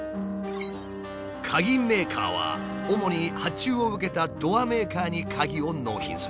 鍵メーカーは主に発注を受けたドアメーカーに鍵を納品する。